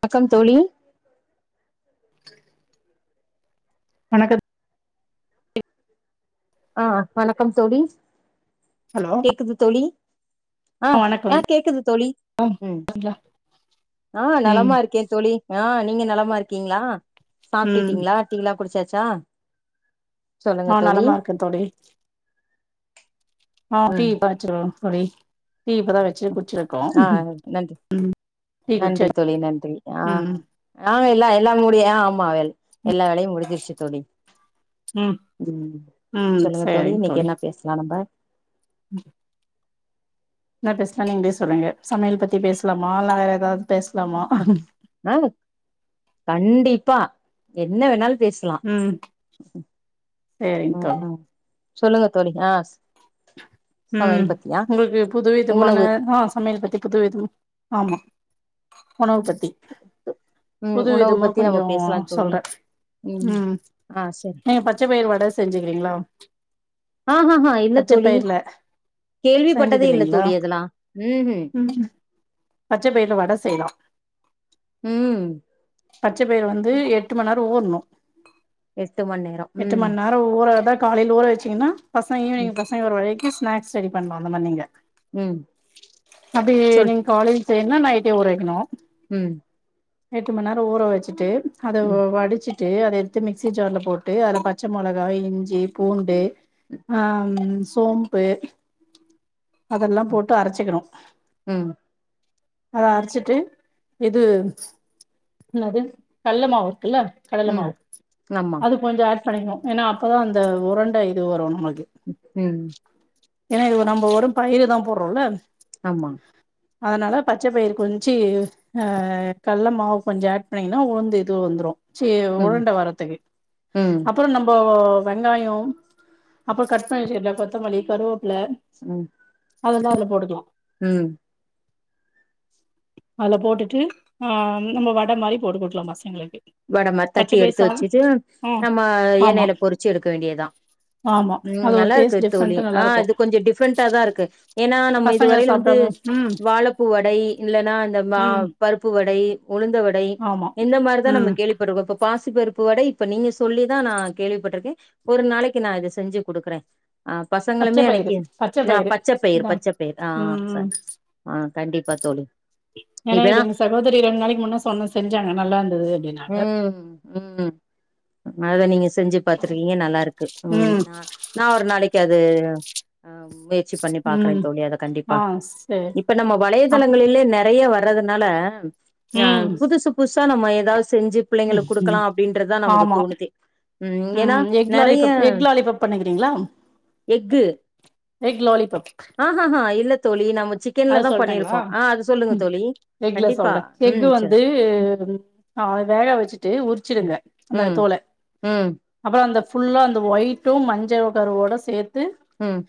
வணக்கம் தோழி வணக்கம் ஆ வணக்கம் தோழி ஹலோ குது தோழி ஆ ஆ கேக்குது தோழி ம் ஆ ம் நலமா இருக்கே தோழி ஆ நீங்க நலமா இருக்கீங்கிளா ம் சாப்ட்டுடீங்களா டீ லா குடிச்சாச்சா சொல்லுங்க ஆ தோழி நலமா இருக்கே தோழி ஆ டீ ம் இப்பதா வச்சிருக்கிறோ ஒரு எயிட் டீ இப்பதா வச்சி குடிச்சி ஆ நன்றி டீ நன்றி குடிச்ச தோழி நன்றி ஆ ம் ஆ எல்லா எல்லாமூடிய ஆ ஆமா வேலி எல்லா வேலையும் முடிஞ்சிருச்சி தோழி ம் ம் ம் சொல்லுங்க தோழி இன்னிக்கி என்ன பேசலாம் நம்ப உம் என்ன பேசலா நீங்களே சொல்லுங்க சமையல் பத்தி பேசலாமா இல்லனா வேற எதாவது ஆ கண்டிப்பா என்ன வேணாலும் பேசு கிலா ம் சரிங்க தோழி ம் சொல்லுங்க தோழி ஆ ம் சமையல் பத்தியா உங்களுக்கு புது விதமான உணவு ஆ சமையல் பத்தி புது விதம் ஆமா உணவு பத்தி ம் புது உணவு விதமா பத்தி நம்ம கொஞ்சம் பேசலா தோழி சொல்ற ம் ஆ சரி நீங்க பச்ச பயிர் வட செஞ்சிக்கிறீங்களா ஆஹ ஹ இல்ல தோழி கேள்விப்பட்டதே செஞ்சது இல்ல இல்லைங்களா தோழி அதுல்லா ம் பச்ச பயிர்ல வட செய்யலாம் ம் பச்சை பயிர் வந்து எட்டு மணி நேரோ ஊர்ணு எட்டு மணி நேரோ ம் அ ஊறதாவ காலையில ஊற வச்சீங்கன்னா பசங்க ஈவினிங் ம் பசங்க வரவரைக்கு ஸ்நாக்ஸ் ரெடி பண்ணலா அந்த மாரி நீங்க ம் அப்டியே சொல் நீங்க காலையில செய்யணுனா நைட்டே ஊறவைக்கணு ம் எட்டு மணி நேர ஊற வச்சுட்டு அதை ம் வடிச்சு ட்டு அத எடுத்து மிக்சி ஜார்ல போட்டு அதுல பச்சை மொளகா இஞ்சி பூண்டு ஆ ம் சோம் பு அதெல்லா ம் போட்டு அரைச்சிக்கணு ம் அத அரைச்சிட்டு இது என்னது கல்ல மாவு இருக்குல்ல கடலை ம் மாவு ஆமா அது கொஞ்ச ஆட் பண்ணிக்கணு ஏன்னா அப்போதா அந்த உரண்ட இது வரு நம்மளுக்கு ம் ஏன்னா இது நம்ம வெறு பயிரு தா போடுறோல்ல ஆமாங் அதனால பச்சை பயிர் கொஞ்சி ஆ கல்ல மாவு கொஞ்சோ ஆட் பண்ணீங்கன்னா உளுந்து இது வந்துரு சே ம் உருண்ட வரத்துக்கு ம் அ அப்புறோ நம்ப வெங்காயோம் அப்புற கட் பண்ணி வச்சுருக்க கொத்தமல்லி கருவேப்பில ம் அதெல்லா அதுல போட்டுக்கலா ம் அதில போட்டுட்டு ஆ நம்ம வடை மாரி போட்டு கொடுக்கலா பசங்களுக்கு வட மாரி பச்ச தட்டி பயிர் எடுத்து சாதோ வெச்சிட்டு ம் நம்ம ஆமா எண்ணெயில பொறிச்சி எடுக்க வேண்டியது தா ஆமா அது ஒரு டேஸ்ட்டு தோழி ஆ இது கொஞ்சோ டிஃப்ரெண்டா தா இருக்கு ஏன்னா நம்ம இது பசங்க வரையில வந்து சாப்டாம ம் வாழைப்பூ வடை இல்லைன்னா இந்தந்த மா ம் பருப்பு வடை உளுந்த வடை ஆமா இந்த மாரிதா நம்ம ம் கேள்விப்பட்டிருக்கோ இப்ப பாசிப்பருப்பு வடை இப்ப நீங்க சொல்லிதா நா கேள்விப்பட்டிருக்கே ஒரு நாளைக்கு நா இத செஞ்சு குடுக்குறே ஆ பச்ச பசங்களுமே பயிறு அன்னைக்கி பச்ச ஆ பயிறு பச்சைப்பயிர் இந்தா பச்சைப்பயிர் ஆ ம் சா ம் ஆ கண்டிப்பா தோழி ஏன்னா இப்பனா இது இந்த சகோதரி ரெண்டு நாளைக்கு முன்னா சொன்ன செஞ்சாங்க நல்லா இருந்தது அப்டின்னாங்க ம் ம் அத நீங்க செஞ்சு பாத்திருக்கீங்க நல்லா இருக்கு ம் நா நா ஒரு நாளைக்கு அது மு யற்சி பண்ணி பாக்குறே ம் தோழிய அத கண்டிப்பா ஆ சேரி இப்ப நம்ம அப் வலைையதளங்களிலே நெறைய வ ரதுனால அ ம் புதுசு புதுசா நம்ம ஏதாவது செஞ்சு பிள்ளைங்களுக்கு குடுக்கலா அப்டின்றதுதா நமக்கு ஆமா தோணுதே ம் ஏன்னா எக் நெறைய லாலிபப் எக் லாலிபப் பண்ணுகிறீங்களா எக்கு எக் லாலிபப் ஆஹ்ஹஹா இல்ல தோழி நம்ம சிக்கன்ல தா பண்ணியிருக்கோ ஆ அது சொல்லுங்க தோழி எக்குல கண்டிப்பா சொல்றே எக்கு ம் சரி வந்து ம் அ வேக வச்சுட்டு உரிச்சிடுங்க அந்த ம் தோல ம் அப்புற அந்த ஃபுல்லா அந்த ஒயிட்டும் மஞ்ச கருவோட சேத்து ம்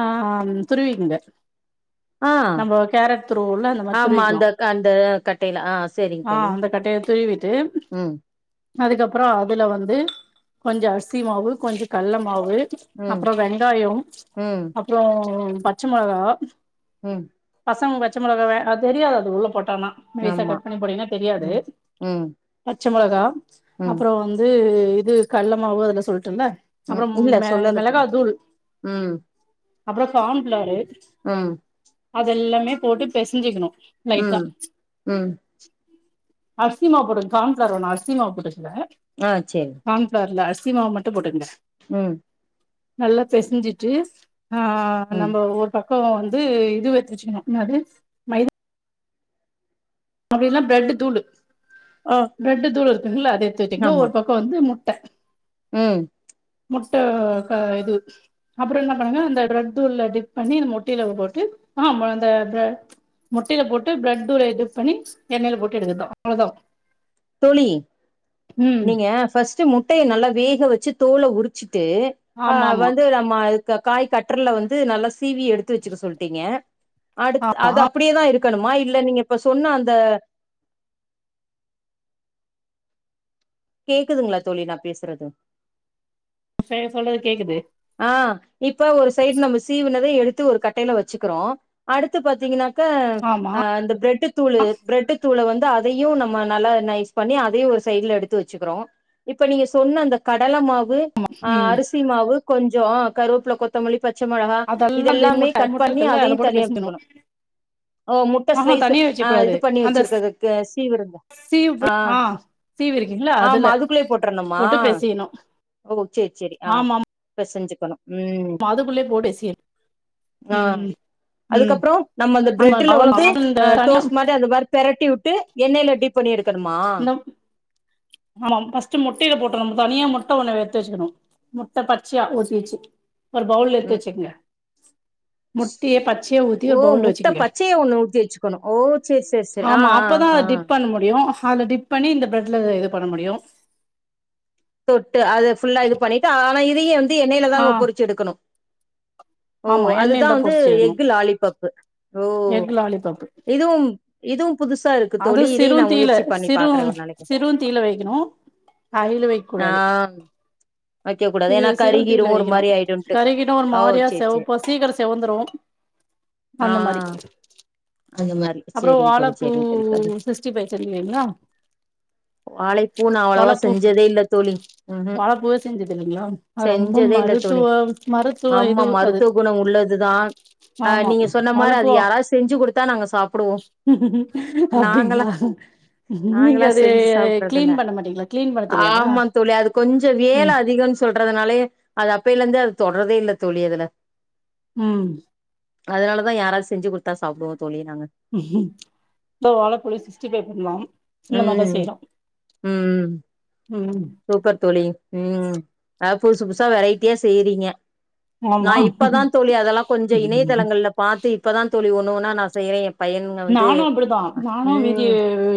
ஆ ஆம் துருவிக்ங்க ஆ நம்போ கேரட் துருவுல்ல அந்த மாரி ஆமா துருவிக்கலா அந்த அந்த கட்டையில ஆ சரிங்க ஆ தோழி அந்த கட்டைய துருவிட் ட்டு ம் அதுக்கப்புறோ அதுல வந்து கொஞ்ச அரிசி மாவு கொஞ்ச கல்ல மாவு ம் அப்புறோ வெங்காயோ ம் அப்புறோ பச்ச மொளகா ம் பசங்க பச்ச மொளகவ அது தெரியாது அது உள்ள போட்டானா மேசா ஆமா கட் பண்ணி போடீங்கன்னா தெரியாது ம் ம் பச்ச மொளகா ம் அப்புறோ வந்து இது கல்லமாவு அதுல சொல்லட்டுந்த ம் அப்புறோ இல்ல மெ சொல்லல மெளகா தோழி தூள் ம் அப்புறோ கண்ஃபிலாரு ம் அதெல்லாமே போட்டு பெசஞ்சிக்கிணு லைட்டா ம் ம் அர்சிமா போட்டு கான்ஃபிலார் வேணா அர்சிமாவு போட்டுக்கங்க ஆ சேரி கான்ஃபிலார்ல அர்சிமாவு மட்டு போட்டுகங்க ம் நல்லா பெசிஞ்சிட்டு ஆ ம் நம்ம ஒரு பக்கோ வந்து இது வச் தெச்சிக்கணு இன்னா அது அப்பிடி இல்லனா பிரட்டு தூளு ஓ பிரெட்டு தூளு இருக்குங்ல்ல அத எத்துட்டீங்க ஒரு பக்கோ வந்து முட்ட ம் முட்ட க இது அப்புறோ என்ன பண்ணுங்க அந்த ட்ரதூள டிப் பண்ணி இந்த மொட்டையில போட்டு ஆம் ம இந்த பிர முட்டையில போட்டு ப்ளட்தூள இது பண்ணி எண்ணெயில போட்டு எடுக்கத்தோ அவ்ளோதா தோழி ம் நீங்க ஃபஸ்ட் முட்டைய நல்லா வேக வச்சி தோல உரிச்சிட்டு அ ஆமா ஆமா வந்து நம்ம அதுக்க காய் கட்டறல வந்து நல்லா சீவி எடுத்து வச்சுக்க சொல்லிட்டீங்க அடுத் ஆமா அது அப்பிடியேதா இருக்கணுமா இல்ல நீங்க இப்ப சொன்ன அந்த கேக்குதுங்களா தோழி நா பேசுறது சே சொல்லறது கேக்குது ஆ இப்ப ஒரு சைடு நம்ம சீவுனத எடுத்து ஒரு கட்டையில வச்சிக்கிறோ அடுத்து பாத்தீங்கன்னா க ஆமா அ அந்த பிரெட்டு தூளு பிரெட்டு தூள வந்து அதயு நம்ம நல்லா நைஸ் பண்ணி அதயு ஒரு சைடுல எடுத்து வச்சிக்கிறோ இப்ப நீங்க சொன்ன அந்த கடல மாவு ஆ ம் அரிசி மாவு கொஞ்சோ கருவேப்புல கொத் த்த மல்லி பச்ச மொளகா அதெல்லா அந்த இதெல்லாமே முட்ட கட் முட்ட பண்ணி இருக்குல்ல அதையு அதுல போட்டு தனியா பெசஞ்சணு எச்சிக்கணு ஓ முட்ட ஆஹா ஸ்லைஸ் தனியா ஆ வச்சுக்க இது கூடாது பண்ணி அந்த வச்சிருக்கதுக்கு சீவருங்க ஆ சீவி இருக்கீங்களா அதுல ஆமா அதுக்குள்ளே போட்ரணுமா போட்டு பேசியணு ஓ சேரி சேரி ஆ பெசஞ்சிக்கணு ம் மா அதுக்குள்ளே போடு எஸ்கே ஆ ம் அதுகப்புறோ நம்ம அந்த பிரெட்டுல வந்து அவ்ளோதா இந்த அ தனியா டோஸ் மாரி அது மாரி பெரட்டிவுட்டு எண்ணெயில டிப் பண்ணி எடுக்கணுமா ஆமாம் ஃபஸ்ட்டு முட்டையில போட்ருணு தனியா முட்ட ஒன்ன எத்து வச்சிக்கணு முட்ட பச்சையா ஊத்திவச்சி ஒரு பவுல்ல எத்து ம் வச்சுகங்க முட்டைய பச்சயா ஊத்தி ஓ ஒரு பவுல்ல முட்ட வச்சுகுங்க பச்சையா ஒண்ணு ஊத்தி வச்சுக்கணு ஓ சேரி சேரி சேரி ஆ ஆமா ஆ அப்பதா ஆ ஆ. டிப் பண்ண முடியு அத டிப் பண்ணி இந்த ஃப்ரெட்ல இது பண்ண முடியு தொட்டு அது ஃபுல்லா இது பண்ணிட்டு ஆனா இதையு வந்து எண்ணெயிலதா ஆ நம்ம பொறிச்சு எடுக்கணு ஓ ஆமா அதுதா எண்ணெயில தா வந்து பொறிச்சு எடுக்கணு எக்கு லாலிபப்பு ஓ எக் லாலிபப்பு இதுவும் இதுவும் புதுசாருக் அது சிறுந்தீயில சிறுந் நாளைக்கு சிறுந்தீயில வெக்கணு ஹைல வெ ஆ வைக்க கூடாது சிறு ஏன்னா கருகிரு சிறுந்தீயில ஒரு வெக்கணு மாரி ஆயிடுன்ட்டு கருகிடு ஒரு ஓ மாரியா சேரி சேரி செவப்பா சீக்கரோ செவந்துரு ஆ அந்த மாரி அந்த மாரி சேரிங் தோழி சே ம் சிஸ்டி ஃபை சொல்வீங்ளா வாழைப்பூ நா அவ்வளவா வாழப்பூ செஞ்சதே இல்ல தோழி ம் ம் வாழப்பூவே செஞ்சது இல்லைங்களா அது ரொம்ப செஞ்சதே இல்ல தோழி மருத்துவ மருத்துவ ஆமா இது அது மருத்துவ குணோ உள்ளதுதா அ ஆமா நீங்க சொன்ன மாரு வாழப்பூ அது யாராவ்து செஞ்சு குடுத்தா நாங்க சாப்புடுவோ நாங்களா அப்டிங்ளா நாங்களா செஞ்சு சாப்டதில்ல மாட்டீங்களா கிளீன் பண்ண தெரியாதா ஆமா தோழி அது கொஞ்ச ம் வேல அதிகோன் சொல்றதுனாலயே அது அப்பைலெந்து அது தொட்றதே இல்ல தோழி அதுல ம் அதுனாலதா யாராது செஞ்சு குடுத்தா சாப்டுவோ தோழி நாங்க தோ வாழப்பழ சிக்ஸ்டி ஃபை பண்லா இல்ல நா தான் ம் செய்ற ம் ம் சூப்பர் தோழி ம் அ புதுசு புதுசா வெரைட்டியா செய்றீங்க நா ஆமா இப்பதா தோழி அதெல்லா கொஞ்ச இணையதளங்கள்ல பாத்து இப்பதா தோழி ஒன்னு ஒன்னா நா செய்யறே எ பையனுங்க வந்து நானு அப்படிதா நானு ம் வீடி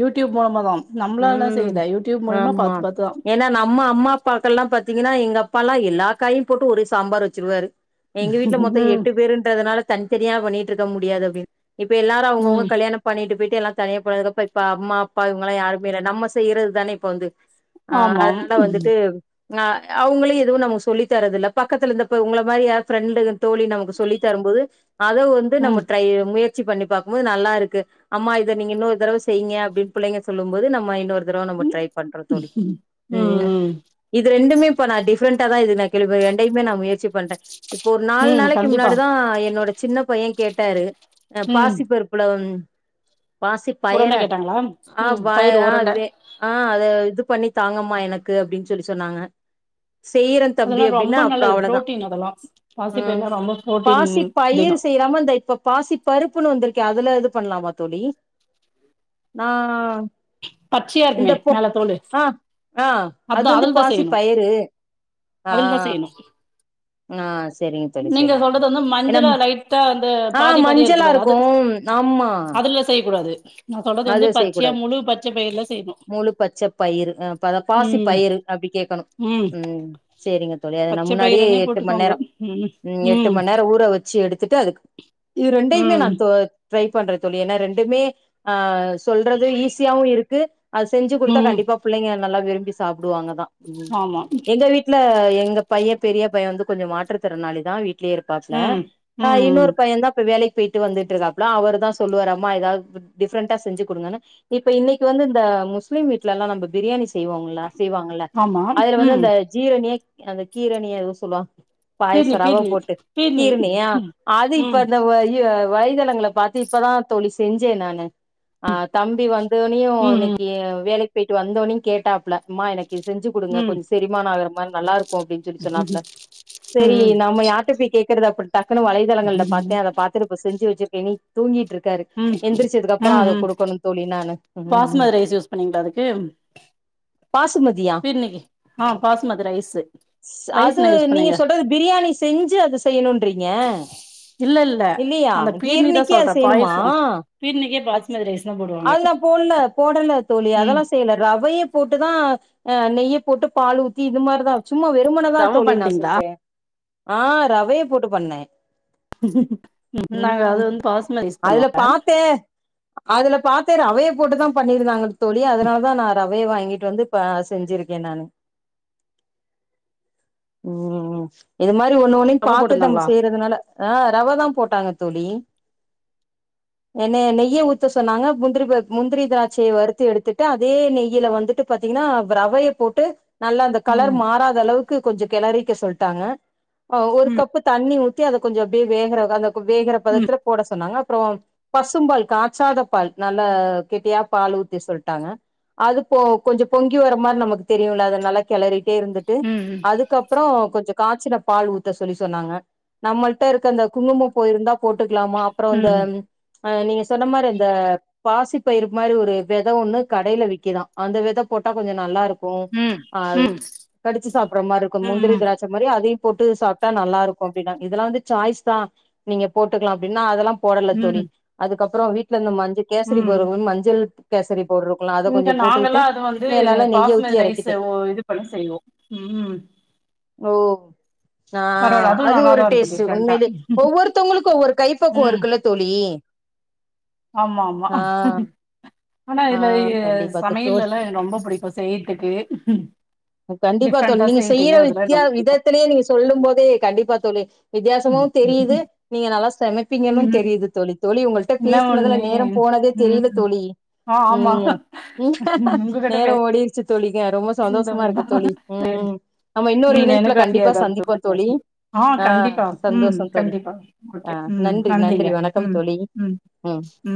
யூடியூப் மூலமாதா நம்ப்ளா எல்லா செய்ல யூடியூப் மூலியமா பாத்து பாத்துதா ஏனா நம்ம அம்மா அப்பாக்கள்லா பாத்தீங்கின்னா எங்க அப்பால்லா எல்லா காயையு போட்டு ஒரு சாம்பார் வெச்சுருவாரு எங்க வீட்ல மொத்தோ ம் எட்டு பேருன்றதுனால தனித்தனியா பண்ணிட்டுருக்க முடியாது அப்டின் இப்ப எல்லாரு அவங்கவுங்கோ ம் கல்யாண பண்ணிட்டு போய்ட்டு எல்லா தனியா போனதுக்கப்ப இப்ப அம்மா அப்பா இவங்கல்லா யாரு மேல்ல நம்ம செய்யுறது தான இப்ப வந்து ஆ ஆமாம் அதனால ம் வந்துட்டு ஆ அவுங்களு எதுவு நமக்கு சொல்லி தரதுல்ல பக்கத்துல இந்த இப்ப உங்கள மாரி யார் ஃப்ரெண்டுங் தோழி நமக்கு சொல்லி தரும் போது அத வந்து நம்ம ம் ட்ரை முய ற்சி பண்ணி பாக்கும்போது நல்லாருக்கு அம்மா இத நீங்க இன்னொரு தடவ செய்ங்க அப்டின் புள்ளைங்க சொல்லும் போது நம்ம இன்னொரு தரவ நம்ம ட்ரை பண்றோ தோழி ம் இது ரெண்டுமே இப்ப நா டிஃப்ரெண்டாதா இது நா கேள்விப்பறே ரெண்டையுமே நா முயற்சி பண்றே ஒரு நால் ம் நாளைக்கு கண்டிப்பா முன்னாடிதா என்னோட சின்ன பையன் கேட்டாரு அ ம் பாசிப்பருப் புல வந் பாசிப்பயர உருண்ட கேட்டாங்களா ஆ ம் பயிர் உருண்ட [unintelligible] ஆ அத இது பண்ணி தாங்கம்மா எனக்கு அப்டின் சொல்லி சொன்னாங்க செய்யிறன் தம்பி அதெல்லா அப்டின்ன ரொம்ப அப்ற நல்லது அவ்ளதா புரோட்டீன் அதெல்லா ம் பாசிப்பயிர்லா ரொம்ப புரோட்டீன் பாசிப் பயிரு அதிகோ செய்யலாம இந்த இப்ப பாசிப் பருப்புன்னு வந்துருக்கே அதுல இது பண்லாமா தோழி நா பச்சையா இந்த இருக்குமே பொ மேல தோளு ஆ ஆ அது அதா வந்து அதல்தா பாசி செய்யணு பயிறு ஆ அதல்தா செய்யணு ஆ செரிங்க தோழி நீங்க செரிங்க சொல்றது தோழி வந்து ஏன்னா மஞ்சளா ம லைட்டா வந்து ஆ பாதி பாதி இருக்கு மஞ்சளா பாரு அது ஆமா அதுல செய்யக்கூடாது நா சொல்றது அது வந்து பச்சையா செய்யக்கூடாது முழு பச்ச பயர்ல செய்ணு முழு பச்ச பயிருங்க அப்பறோ பாசி பயிர் அப்டி கேக்கணு ம் சேரிங்க தோழி அத நா பச்ச முன்னாடியே பயிறுனே எட்டு போட்டுக்கோங்க மண்நேரோ ம் எட்டு மண்நேரோ ஊற வெச்சு எடுத் ட்டு அதுக்கு இது ரெண்டையுமே நா ம் து ட்ரை பண்றது தோழி ஏனா ரெண்டுமே ஆ சொல்றது ஈஸியாவு இருக்கு அது செஞ்சு கொடுத்தா ம் கண்டிப்பா புள்ளைங்க நல்லா விரும்பி சாப்பிடுவாங்க தா ஆமா எங்க வீட் ல எங்க பைய்ய பெரிய பைய்ய வந்து கொஞ்ச மாற்றுத்திறனாளிதா வீ ட்லே இருப்பாப்புல ம் ம் ம் இன்னொரு பைய்யன் தா இப்ப வேலைக் கு போயிட்டு வந்துட்டு இருக்காப்பல அவர் தா சொல்லுவார் அம்மா ஏதாவ்து டிஃப்ரெண்டா செஞ்சு குடுங்கனு இப்ப இன்னைக்கு வந்து இந்த முஸ்லீம் வீ்ட்லல்லா நம்ப பிரியாணி செய்வோம்ள செய்வாங்கல்ல ஆமா அதுல வந்து ம் அந்த ஜீரணியே அந்த கீரணிய எதுவு சொல்வாங் பீர்னி பாயாச ரவா பீர்னி போட்டு பீர்னி கீர்ணியா ம் அது இப்ப ம் அ வலைதளங்கள பாத்து இப்பதா தோழி செஞ்சே நானு ஆ தம்பி வந்தோணயு ம் ம் இன்னைக்கு வேலைக் போயிட்டு வந்தோணயு கேட்டாப்ல அம்மா எனக் செஞ்சு குடுங்க ம் கொஞ்ச செரிமான ஆகற மாரி நல்லாருக்கு அப்டின்னு சொல்லி சொன்னாப்ல சேரி ம் நம்ம யார்ட்ட போய் கேட்கிறது அப்டி டக்குனு வலைதளங்கள்ள பாத்தே அத பாத்து இப்ப செஞ்சி வச்சிருக்கேனி தூங்கிட் இருக்காரு எந்திரிச்சதுக்கு ம் அப்பறோ அத ம் குடுக்கோணு தோழி நான்னு ம் பாஸ்மதி ரைஸ் யூஸ் பண்ணீங்களா அதுக்கு பாசுமதியா பிர்ணிக்கு ஆ பாஸ்மதி ரைஸ்ஸூ அது நீங்க சொல்றது பிரியாணி செஞ்சு அது செய்ணுன்றீங்க இல்ல இல்ல இல்லையா அந்த பீர்னி தா கீர்ணிக்கே சொல்றே அது செய்ணுமா பாயசோ பீர்னிக்கே அது பாஸ்மதி ரைஸ் தா போடுவாங்க அதெல்லா போடல போடல தோழி ம் அதெல்லா செய்யல ரவையு போட்டுதா ஆ நெய்யை போட்டு பால் ஊத்தி இது மார்தா சும்மா வெறும்மனதா ரவ தோழி நா பண்ட்டீங்களா செஞ்சே ஆ ரவையை போட்டு பண்ணே நாங்க அது ம் வந்து பாசமதிஸ் அதுல தருவாங்க பாத்தே அதுல பாத்தே ரவையை போட்டுதா பண்ணிருந்தாங்க தோழி அதனாலதா நா ரவையை வாங்கிட்டு வந்து ப செஞ்சிருக்கே நானு ம் ம் இது மாரி ஒண்ணு ஒனையு ரவ பாத்துதம்ம போட்டுருந்தாங்களா செய்யறதுனால ஆ ரவ தா போட்டாங்க தோழி எண்ணய நெய்ய ஊ த்த சொன்னாங்க முந்திரி பருப் முந்திரி திராட்சியை வறுத்து எடுத்துட்டு அதே நெய்யில வந்துட்டு பாத்தீங்கனா பிரவயப் போட்டு நல்லா அந்த கலர் ம் மாறாத அளவுக்கு கொஞ்ச கிளறக்க சொல்ட்டாங்க ஒரு ம் கப்பு தண்ணி ஊ அத கொஞ்ச அப்டியே வேகந்த வேகர ம் பதத்துல கூட சொன்னாங்க அப்றோ பசும்பால் கா காச்சாத பால் நல்ல கெட்டியா பால் ஊத்தி சொல்ட்டாங்க அது போ கொஞ்ச பொங்கி வர மாரி நமக் தெரியுல்ல அதுனல்லா கெளரி இருத்துட்டு ம் அதுக்கப்றோ கொஞ்ச காச்சுன பால் ஊத்த சொல்லி சொன்னாங்க நம்மள்ட்ட இருக்க அந்த குங்கும பூ யிருந்தா போட்டுக்கலாமா அப்றோ இந்த ம் ஆ நீங்க சொன்ன மாரி இந்த பாசி பயிரு மாரி ஒரு வித ஒண்ணு கடைல விக்குதா அந்த வித போட்டா கொஞ்ச நல்லாருக்கு ம் ஆ கடிச்சு சாப்பற மாரி இருக்கு முந்திரி ம் ம் திராட் ச்ச மாரி அதையு போட்டு சாப்ட்டா நல்லாருக்கு அப்டின்னா இதெல்லா வந்து சாய்ஸ் தா நீங்க போட்டுக்கலா அப்டின்னா அதெல்லா போடல்ல தோழி ம் அதுக்கப்றோ வீட்லருந்த மஞ் கேசரி ம் பவுரு மஞ்சள் கேசரி பவுடுரு இங்க நாங்கல்லா அது வந்து நெய்ய ஊத்தி பாஸ்மதி ரைஸ் எறக்கிட்டே ஒ இது பண்ணி செய்வோ ம் ஓ ஆ பரவால்ல அதுவு அது ஒரு நல்லாதா இருக்கு டேஸ்டு டிஃப்ரெண்டா உண்மைலேயே ஒவ்வொருத்தவங்களுக்கு ஒவ்வொரு கைப்பக்குவோ ம் இருக்குல்ல தோழி ஆமா ஆமா ஆ ஆனா ஆ இதுல இ கண்டிப்பா சமையல் தோழி எல்லா எனக் ரொம்ப புடிக்கு செய்யிற்துக்கு கண்டிப்பா தோழி நீங்க செய்யிற வித்யா ரொம்ப பிடிக்கு விதத்துலேயே நீங்க சொல்லும்போதே கண்டிப்பா தோழி வித்யாசமாவு தெரியிது நீங்க நல்லா சமைப்பீங்கன்னு ம் தெரியிது தோழி தோழி உங்கள்ட என்ன பேசுனதுல ஒண்ணு நேரோ போனதே தெரில ம் தோழி ஆ ஆமா உண்மையா உங்ககிட்ட நேரோ ஓடிருச்சி தோழிங்க ரொம்ப சந்தோஷ்மா இருக்கு பேசுனதுதா தோழி ம் நம்ம இன்னொரு ம் இணைப்புல எனக்கு கண்டிப்பா ஹாப்பியாதா இருக்கு சந்திப்போ உங்ககிட்ட தோழி பேசுனது ஆ கண்டிப்பா ம் சந்தோஷ தோழி கண்டிப்பா ஓகே ஆ ம் நன்றி நன்றி நன்றிங்க வணக்கம் ம் தோழி ம் ம்